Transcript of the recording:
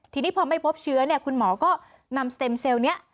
ทีนี้พอไม่พบเชื้อเนี่ยคุณหมอก็นำสเต็มเซลล์นี้